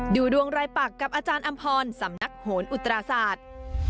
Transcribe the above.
ดูดวงรายปักกับอาจารย์อำพรสำนักโหนอุตราศาสตร์